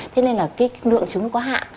thế nên là cái lượng trứng nó có hạ